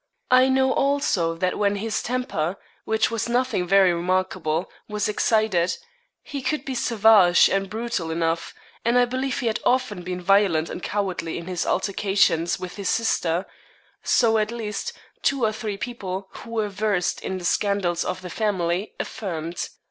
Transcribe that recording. I know also that when his temper, which was nothing very remarkable, was excited, he could be savage and brutal enough; and I believe he had often been violent and cowardly in his altercations with his sister so, at least, two or three people, who were versed in the scandals of the family, affirmed.